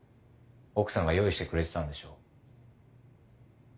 奥さんが用意してくれてたんでしょう。